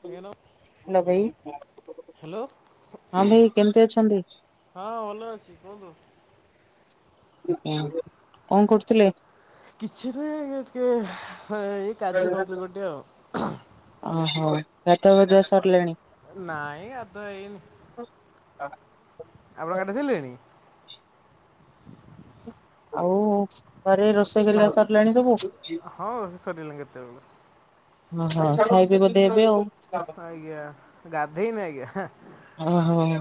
ଆଜ୍ଞା ହାଲୋ ଭାଇ। ହ୍ୟାଲୋ ହଁ ଭାଇ କେମିତି ଅଛନ୍ତି? ହଁ ଭଲ ଅଛି। କୁହନ୍ତୁ? କଣ କରୁଥିଲେ? କିଛି ନାଇଁ ଏଇ ଟିକେ ହେଇ ଅହ ଗାଧୁଆ ପାଧୁଆ ସରିଲାଣି? ନାଇଁ ଗାଧୁଆ ହେଇନି। ଆପଣ ଗାଧେଇ ସାରିଲେଣି? ଆଉ ଘରେ ରୋଷେଇ କରିବା ସରିଲାଣି ସବୁ? ହଁ, ରୋଷେଇ ସରିଗଲାଣି କେତେବେଳୁ। ଓହୋ, ଖାଇଛ ବୋଧେ ଏବେ ଆଉ? ଆଜ୍ଞା। ଗାଧେଇନି ଆଜ୍ଞା। ହଁ, ହଁ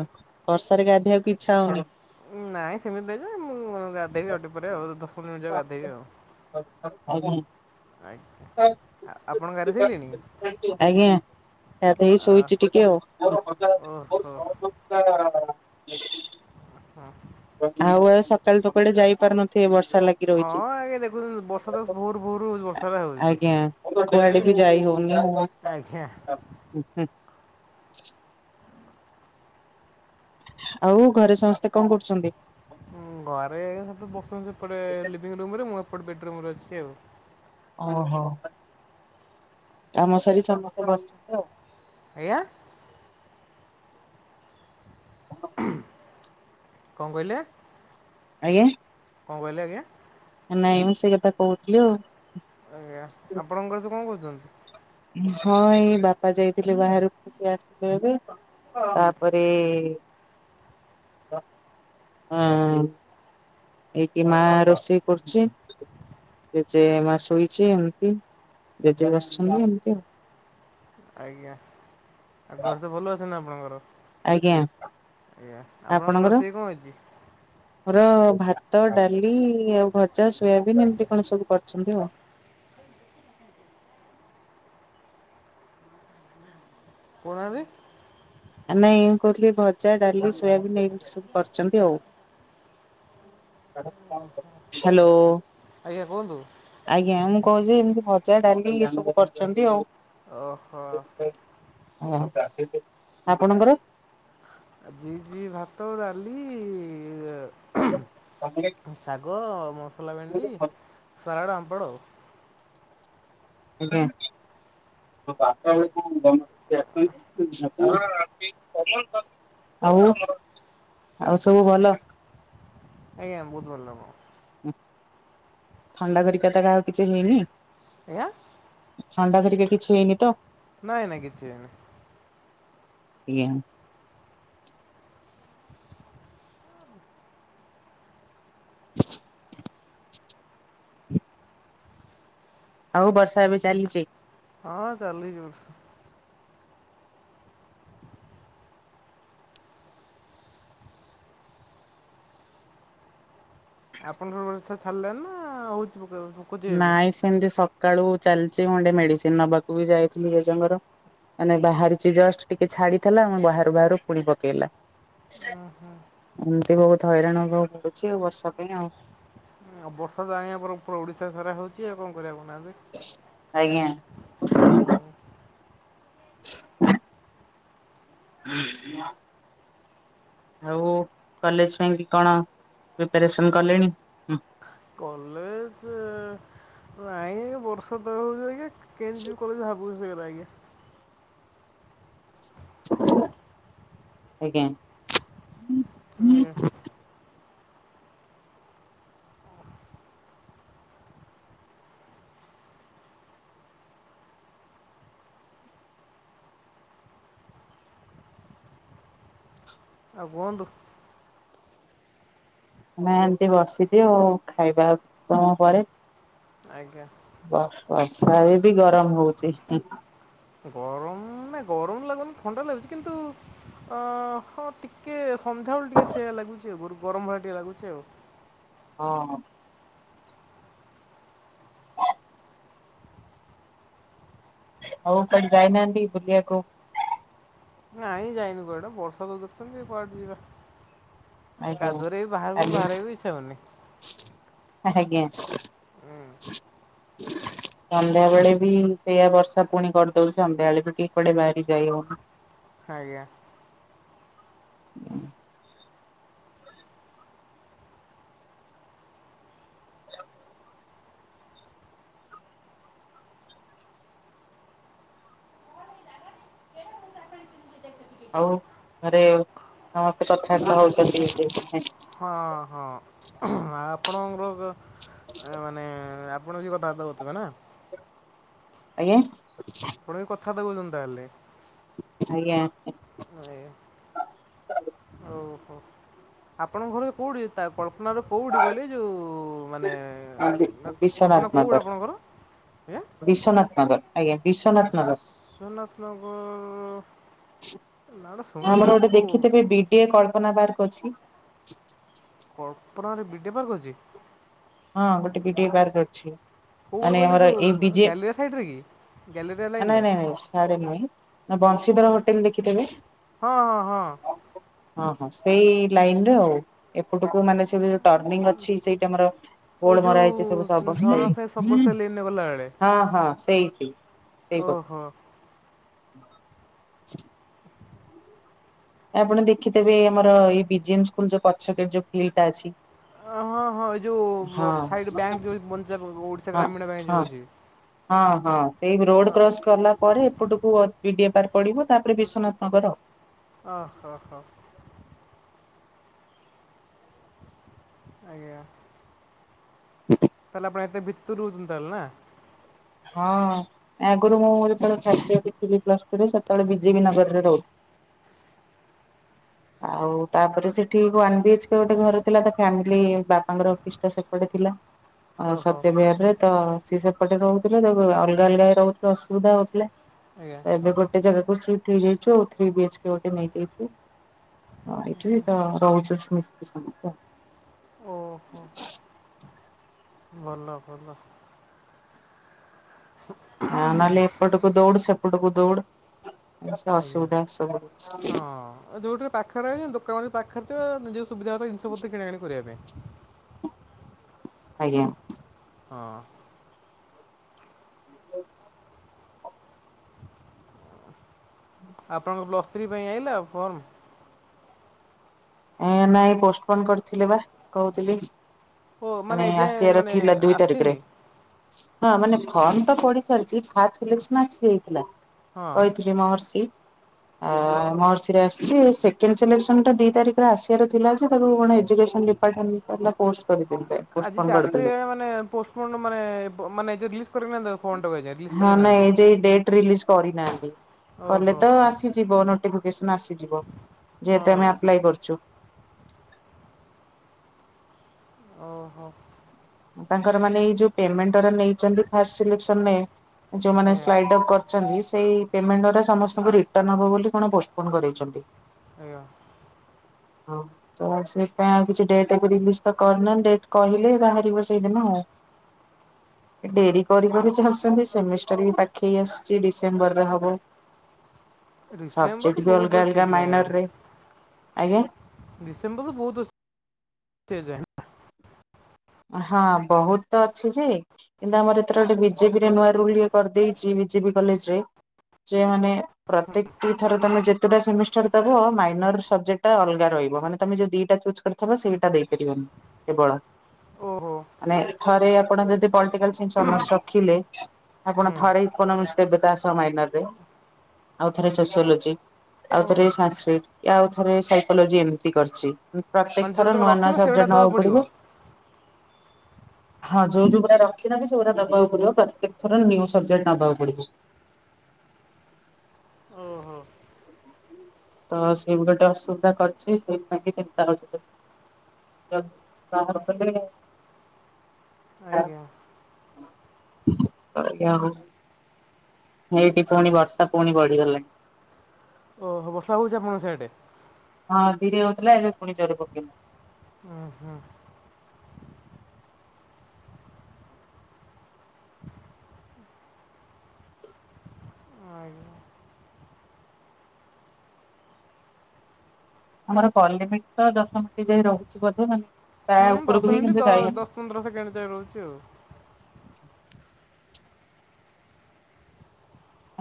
ବର୍ଷାରେ ଗାଧେଇବାକୁ ଇଚ୍ଛାହଉନି? ନାଇଁ ସେମିତି ନାଇଁ ଯେ ମୁଁ ଗାଧେଇବି ଆଉ ଟିକେ ପରେ ଆଉ ଦଶ ପନ୍ଦର ମିନିଟ ଯାଉ ଗାଧେଇବି ଆଉ। ଆଜ୍ଞା। ଆପଣ ଗାଧେଇ ସାରିଲେଣି। ଆଜ୍ଞା ଗାଧେଇ ଆ ଶୋଇଚି ଟିକେ ଆଉ। ଓହୋ ହଁ। ଆଛା। ଆଉ ଭାଇ ସକାଳୁତ କୁଆଡେ ଯାଇ ପାରୁନଥିବେ ବର୍ଷା ଲାଗି? ହଁ, ରହିଛି। ଆଜ୍ଞା ଦେଖୁ ବର୍ଷା ତ ଭୋରୁ ଭୋରୁ ବର୍ଷା ହେଉଛି। ଆଜ୍ଞା କୁଆଡେ ବି ଆଜ୍ଞା। ଯାଇ ଆଜ୍ଞା। ହୁଁ, ହୁଁ। ଆଉ ଘରେ ସମସ୍ତେ କଣ କରୁଛନ୍ତି? ଘରେ ଏଇ ସବୁ ବସନ୍ତୀ ସେପଟେ ଲିଭିଙ୍ଗ ରୁମରେ, ମୁଁ ଏପଟେ ବେଡରୁମରେ ଅଛି ଆଉ। ଓ ହଁ, କାମ ସାରି ସମସ୍ତେ ବସିଛନ୍ତି ଆଉ। ଆଜ୍ଞା କଣ କହିଲେ? ଆଜ୍ଞା। କଣ କହିଲେ ଆଜ୍ଞା? ନାଇଁ ମୁଁ ସେଇ କଥା କହୁଥିଲି ଆଉ। ଆଜ୍ଞା ଆପଣଙ୍କର ଘରେ ସବୁ କଣ କରୁଛନ୍ତି? ହଁ, ଏଇ ବାପା ଯାଇଥିଲେ ବାହାରକୁ ସେ ଆସିଲେ ଏବେ। ତାପରେ, ଆଁ ଏଇଠି ମା ରୋଷେଇ କରୁଛି। ଜେଜେ ମା ଶୋଇଛି ଏମିତି, ଜେଜେ ବସିଛନ୍ତି ଏମିତି ଆଉ। ଆଜ୍ଞା, ଆଉ ଘରେ ସବୁ ଭଲ ଅଛନ୍ତି ନା ଆପଣଙ୍କର? ଆଜ୍ଞା। ଏଆ ଆପଣଙ୍କର? ମୋର ଭାତ ଡାଲି ଆଉ ଭଜା ସୋୟାବିନ୍ ଏମିତି କଣ ସବୁ କରୁଛନ୍ତି ଆଉ। କଣାରେ ଆ ନାଇଁ ମୁଁ କହୁଥିଲି ଭଜା ଡାଲି ସୋୟାବିନ୍ ଏମିତି ସବୁ। କରଚନ୍ତି ଆଉ। ହ୍ୟାଲୋ ଆଜ୍ଞା କୁହନ୍ତୁ? ଆଜ୍ଞା ମୁଁ କୋହୁଛି ଏମିତି ଭଜା ଡାଲିି ଇଏ ସବୁ କରିଛନ୍ତି ଆଉ। ଓ ହୋ। ଓ ଆପଣଙ୍କର? ଆଜି ହେଇଚି ଭାତ ଡାଲି ଏ ଶାଗ ମସଲା ଭେଣ୍ଡି ସାଲାଡ଼ ଆମ୍ପଡ଼ ଆଉ। ଗୋଟେ ମିନିଟ୍ [unintelligible] ଆଉ ଆଉ ସବୁ ଭଲ? ଆଜ୍ଞା ବୋହୁତ ଭଲ ମ। ଥଣ୍ଡା ଧରିକା ତ କାହାକୁ କିଛି ହେଇନି। ଆଞା ଥଣ୍ଡା ଘରିକା କିଛି ହେଇନି ତ? ନାଇଁ ନାଇଁ କିଛି ହେଇନି। ଆଜ୍ଞା ଆଉ ବର୍ଷା ଏବେ ଚାଲିଚି। ହଁ ହଁ ଚାଲିଚି ବର୍ଷା। ଆପଣଙ୍କର ବର୍ଷା ଛାଡିଲାଣି ନା ହୋଉଛି [unintelligible] ନାଇଁ ସେମିତି ସକାଳୁ ଚାଲିଛି ମୁଁ ଟିକେ ମେଡିସିନ ନବାକୁ ବି ଯାଇଥିଲି ଜେଜେଙ୍କର। ମାନେ ବାହାରିଛି ଜଷ୍ଟ ଟିକେ ଛାଡିଥିଲା ମୁ ବାହାରୁ ବାହାରୁ ପୁଣି ପକେଇଲା। ଓ ହୋ ଏମତି ବୋହୁତ ହଇରାଣ ହବାକୁ ପଡୁଛି ଆଉ ବର୍ଷା ପାଇଁ ଆଉ। ଆଉ ବର୍ଷା ଜାଇଁ ଆମର ପୁରା ଓଡ଼ିଶା ସାରା ହୋଉଛି ଆଉ କଣ କରିବା କହୁନାହାଁନ୍ତି। ଆଜ୍ଞା ହଁ [inaudible] ଆଉ କଲେଜ ପାଇଁ କି କଣ ପ୍ରିପାରେସନ୍ କଲେଣି? କଲେଜ ନାହିଁ ବର୍ଷା ତ ହେଉଛି ଟିକେ। କେମିତି ଜିମି କଣ ଭାବୁଚି ସେ କଥା ଆଜ୍ଞା। ଆଜ୍ଞା ହୁଁ। ଆଉ କୁଅନ୍ତୁ? ଆମେ ଏମତି ବସିଚୁ ଖାଇବା ଆଉ କିଛି ସମୟ ପରେ। ଆଜ୍ଞା। ବର୍ଷ ବର୍ଷାରେ ବି ଗରମ ହୋଉଚି। ଗରମ ନା ଗରମ ଲାଗୁନି ଥଣ୍ଡା ଲାଗୁଛି କିନ୍ତୁ ଅ ହଁ ଟିକେ ସଂଧ୍ୟାବେଳେ ଟିକେ ସେୟା ଲାଗୁଛି ଗର ଗରମ ଭଳିଆ ଟିକେ ଲାଗୁଚେ ଆଉ। ହଁ। ଆଉ କୁଆଡେ ଯାଇନାହାନ୍ତି ବୁଲିଆକୁ? ନାଇଁ ଯାଇନି କୁଆଡେ, ବର୍ଷା ତ ଦେଖୁଚନ୍ତି କୁଆଡେ ଯିବା। ଆଜ୍ଞା କାଦୁଅରେ ବି ବାହାରକୁୁ କାଲି ବାହାରିଆକୁ ଇଚ୍ଛା ହଉନି। ଆଜ୍ଞା। ସନ୍ଧ୍ୟାବେଳେ ବି ସେଇଆ ବର୍ଷା ପୁଣି କରିଦଉଚି, ସନ୍ଧ୍ୟାବେଳେ ବି [unintelligible] କୁଆଡେ ବାହାରି ଯାଇ ହଉନି। ଆଜ୍ଞା। [unintelligible] [inaudible] ଆଉ ଘରେ ସମସ୍ତେ କଥାର୍ତ୍ତା ହଉଚନ୍ତି [unintelligible] ନାଇଁ? ହଁ-ହଁ ଆଉ ଆପଣଙ୍କ ଆ ମାନେ ଆ ଆପଣ ବି କଥାବାର୍ତ୍ତା ହଉଥିବେ ନା? ଆଜ୍ଞା? ଆପଣ ବି କଥାବାର୍ତ୍ତା [unintelligible] ତାହେଲେ? ଆଜ୍ଞା। ଆଜ୍ଞା। ଓହୋ, ଆପଣଙ୍କ ଘର କୋଉଠି? ତା କଳ୍ପନା ର କୋଉଠି କହିଲେ ଏଯୋଉ ମାନେ ଆଜ୍ଞା। ନା କଳ୍ପନା ବିଶ୍ୱନାଥ ନଗର [unintelligible] ଆପଣଙ୍କର? ଆଜ୍ଞା? ବିଶ୍ୱନାଥ ନଗର୍। ଆଜ୍ଞା ବିଶ୍ୱନା ବିଶ୍ୱନାଥ ନଗର ନାଁଟା ଶୁଣା ଆମର ଗୋଟେ ଲାଗୁଚି କୋଉ ଦେଖିଥିବେ [unintelligible] କଳ୍ପନା ପାର୍କ ଅଛି। କଳ୍ପନାରେ ବିଡିଏ ପାର୍କ ଅଛି? ହଁ ଗୋଟେ ବିଡିଏ ପାର୍କ ଅଛି। କୋଉପଟେ ମାନେ କହିଲେ ଆମର ଏଯୋଉ ଏଇ ଗ୍ୟାଲେରିଆ ସାଇଡ଼ରେ କି? ଗ୍ୟାଲେରିଆରେ ଆ ନାଇଁ-ନାଇଁ-ନାଇଁ ସିଆଡେ ନୁହେଁ [unintelligible] ବଂଶୀଧର ହୋଟେଲ୍ ଦେଖିଥେବେ ହଁ-ହଁ-ହଁ। ହଁ-ହଁ ସେଇ ଲାଇନ୍ ରେ ଆଉ, ଏପଟୁକୁ ମାନେ ସେ ଯୋଉ ଟର୍ଣିଂ ଅଛି ସେଇଟି ଆମର ଓ ବୋର୍ଡ ମରା ହେଇଚି ଯେଉଁ ସବୁ [unintelligible] ଝରଣା ସାଙ୍ଗେ ସେଇ ସବର ଲେନ୍ରେ ଗଲାବେଳେ ହଁ-ହଁ ସେଇଠି। ଓହୋ। ଆପଣ ଦେଖିଥେବେ ଆମର ଏଇ ବି ଜି ଏମ୍ ସ୍କୁଲ୍ ଯୋଉ ପଛ ଗେଟ୍ ଯୋଉ ଫିଲ୍ଡ ଟା ଅଛି। ଅ ହଁ-ହଁ ଏଯୋଉ ସାଇଡ୍ ବ୍ୟାଙ୍କ ଯୋଉ ପଞ୍ଜାବ [unintelligible] ହଁ-ହଁ-ହଁ-ହଁ ସେଇ ରୋଡ୍ କ୍ରସ୍ କଲା ପରେ ଏପଟୁକୁ ଅ ବିଡିଏ ପାର୍କ ପଡିବ ତାପରେ ବିଶ୍ୱନାଥ ନଗର ଆଉ। [unintelligible] ଆଜ୍ଞା। ହଁ ତାହଲେ ଆପଣ ଏତେ ଭିତରୁ ରହୁଚନ୍ତି ତାହେଲେ ନା? ହଁ ଆଗୁରୁ ମୁଁ ଯେତଳେ ଫାଷ୍ଟ ଇଅର୍ ରେ ଥିଲି ପ୍ଲସ୍ [unintelligible] ସେତଳେ ବିଜେବିି ନଗରରେ ରହୁ ଆଉ ତାପରେ ସେଠି ୱାନ୍ ବି ଏଚ୍ କେ ଗୋଟେ ଘର ଥିଲା ତାକୁ ଫ୍ୟାମିଲି ବାପାଙ୍କର ଅଫିସ ଟା ସେପଟେ ଥିଲା। ଓହୋ ସତ୍ୟ ବିହାରରେ ତ ସିଏ ସେପଟେ ରହୁଥିଲେ ଯ ଅଲଗା ଅଲଗା ରହୁଥିଲୁ ଅସୁବିଧା ହଉଥିଲା। ଆଜ୍ଞା। ଏବେ ଗୋଟେ ଜାଗାକୁ ସିଫ୍ଟ ହେଇଯାଇଛୁ ଥ୍ରୀ ବି ହେଚ୍ କେ ଗୋଟେ ନେଇଯାଇକି। ହଁ ଏଇଠି ବି ତ ରହୁଛୁ ମିଶିକି ସମସ୍ତେ। ଓହୋ ଭଲ ଭଲ। ଆ ନହେଲେ ଏପଟକୁ ଦୌଡ ସେପଟକୁ ଦୌଡ ଅସୁବିଧା ସବୁ ଜିନଷ। ଯୋଉଠି ପାଖରେ ଦୋକାନ ପାଖରେ ଥିବା ନିଜ ସୁବିଧା ହେଥା ଜିନିଷପତ୍ର କିଣାକିଣି କରିବା ପାଇଁ। ଆଜ୍ଞା। ହଁ। ଆପଣଙ୍କ ପ୍ଲସ୍ ଥ୍ରୀ ପାଇଁ ଆଇଲା ଫର୍ମ? ଏ ନାଇଁ ପୋଷ୍ଟପୋନ କରିଥିଲେ ବା କହୁଥିଲି। ଓ ମାନେ ଏଯାଏଁ ଆସିବାର ମାନେ ଥିଲା ଦୁଇ ଆସିନି ତାରିଖରେ। ହଁ ମାନେ ଫର୍ମ ତ ପଡି ସାରିକି ଫା ଲଷ୍ଶ୍ରୀ [inaudible] ହେଇଥିଲା ହଁ କହିଥିଲି ମହର୍ଷି ଆ ମୋର ମହର୍ଷି ଆସିଛି ସେଣ୍ଡିଲସନ ଟା ଦି ତାରିଖ ପୁରା ଆସିବାର ଥିଲା ଯେ ତାକୁ କଣ ଏଜୁକେସନ ଡିପାର୍ଟମେଣ୍ଟ ପୋଷ୍ଟ କରିଦେଲେ ଆଜି ପୋଷ୍ଟପୋନ ଚାର୍ରୀ କରିଦେଲେ ମାନେ ପୋଷ୍ଟମ ମାନେ ମାନେ ରିଲିଜ କରହା ଫୋନ ଟା କହି [inaudible] ହଁ ନାଇଁ ଏ ଯ ଡେଟ ରିଲିଜ କରିନାହାନ୍ତି କଲେ ଓହୋ ତ ଆସିଯିବ ନୋଟିଫିକେସନ ଆସିଯିବ ହଁ ଯେହେତୁ ଆମେ ଆପ୍ଲାଇ କରୁଛୁ ଓହୋ ତାଙ୍କର ମାନେ ଏଇ ଯୋଉ ପେମେଣ୍ଟ ନେଇଛନ୍ତି ଫାଷ୍ଟେ ସିଲେସନ ରେ ଯୋଉମାନେ ଆଜ୍ଞା ସ୍ ସେ ଫେମେଟ ସମସ୍ତ ରିଟର୍ନ ହବ ବୋଲି କଣ ପୋଷ୍ଟ ପୋନ କରିଛନ୍ତି ଆଜ୍ଞା ହଁ ତ ସେଥିପାଇଁ ଆଉ କିଛି ଡେଟ ରିଲିଜି ତ କରିନାହାନ୍ତି ଡେଟ କହିଲେ ବାହାର ସେଇଦିନ ଆଉ ଡେରି କରିବାକୁ ଚାହୁଁଛନ୍ତି ସେମିଷ୍ଟରା ବି ପାଖେଇ ଆସୁଛି ଡିସେମ୍ବର ହବ ଡିସେମ୍ବର ତ ସବଜେଟ ବି ବହୁତ ଅଲଗା ଅଛି ଅଲଗା ଏଯାଏଁ ଆହୁରି ମାଇନରରେ ଆଜ୍ଞା ଡିସେମ୍ବର ବହୁତ ଏଯାଏ ହଁ ବହୁତ ତ ଅଛି ଯେ କିନ୍ତୁ ଆମର ଏଥର ଗୋଟେ ବିଜେପିରେ ନୂଆ ରୁଲ କରିଦେଇଛି ବିଜେପି କଲେଜ ରେ ସେ ମାନେ ପ୍ରତ୍ୟେକଟି ଥର ତମେ ଯେତେଟା ସେମି ମାଇନର ସବଜେକ୍ଟା ଅଲଗା ରହିବ ମାନେ ତମେ ଯୋଉ ଦିଟା ଚୁଜ୍ କରିଥ ସେଇଟା ଦେଇପାରିବନି କେବଳ ଓହୋ ମାନେ ଥରେ ଆପଣ ଯଦି ପଲିଟିକାଲ ସାଇନ୍ସ ଅନର୍ସ ରଖିଲେ ଆପଣ ହୁଁ ଥରେ ଇକୋନୋମିକ୍ସ ଦେବେ ତା ଆସ ମାଇନରରେ ଆଉ ଥରେ ସୋସିଓଲୋଜି ଆଉ ଓ ଥରେ ସାସ୍କ୍ରଟି ଆଉ ଥରେ ସାଇକୋଲୋଜି ଏମିତି କରିଛି ମାନେ ପ୍ରତ୍ୟେକ ଯୋଉଟା ଥର ତମେ ନୂଆ ନୂଆ ରଖିନ ସେଇଟା ସବଜେଟ ଦବାକୁ ନବାକୁ ପଡ଼ିବ। ପଡିବ ହଁ ଯୋଉ ଯୋଉ ରଖି ବି ସେ ଗୁରା ଦବାକୁ ପଡିବ ପ୍ରତ୍ୟେକ ଥର ନିଉ ସବଜେକ୍ଟ ନବାକୁ ପଡିବ ଓ ହୋ ତ ସିଏ ବି ଗୋଟେ ଅସୁବିଧା କରିୁଛି ସେଇ ପାଇଁ ଚିନ୍ତା ଅଛି ର [unintelligible] ଆଜ୍ଞା ଆଜ୍ଞା, ହଉ ହେଇଟି ପୁଣି ବର୍ଷା ପୁଣି ବଢିଗଲାଣି। ଓହୋ ବର୍ଷା ହଉଚି ଆପଣଙ୍କ ସିଆଡ଼େ? ହଁ ଧିରେ ହଉଥିଲା ଏବେ ପୁଣି ଜୋରେ ପକେଇଚି। ଉଁ, ହୁଁ। ଆଜ୍ଞା। ଆମର କଲ୍ରେ ବି ତ ଦଶମିନଟ ହେଇ ରହୁଛି ବୋଧେ ଆଉ। ହୁଁ ଦଶ ମିନିଟ୍ ଦ ଦଶ ପନ୍ଦର ସେକେଣ୍ଡ ଯାଇ ରହୁଚି ଆଉ।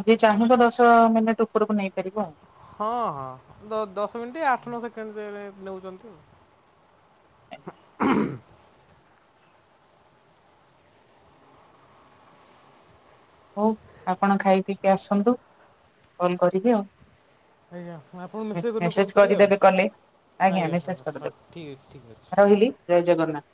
ଆଉ ଯିଏ ଆଜ୍ଞା ଚାହିଁବ ଦଶ ମିନିଟ୍ ଉପରକୁ ନେଇପାରିବ ଆଉ। ହଁ ଦ ଦଶ ମିନିଟ୍ ଆଠ ନଅ ସେକେଣ୍ଡ ଯାଏଁ ନେଉଛନ୍ତି ଆଉ। ହ ହଉ, ଆପଣ ଖାଇ ପିଇକି ଆସନ୍ତୁ, କଲ କରିବି ଆଉ। ଆଜ୍ଞା ଆପଣ ମେସେଜ୍ କରିବେ କଲ୍ ମେସେଜ କରିବେ ଆଉ କରିଦେବେ କଲେ। ଆଜ୍ଞା, ହଁ ମେସେଜ ହଁ ଠିକ୍ ଠିକ୍ ଅଛି କରିଦେବେ। ରହିଲି ଜୟ ଜଗନ୍ନାଥ।